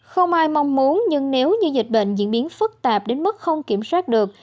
không ai mong muốn nhưng nếu như dịch bệnh diễn biến phức tạp đến mức không kiểm soát được